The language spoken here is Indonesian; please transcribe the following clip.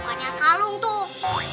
banyak kalung tuh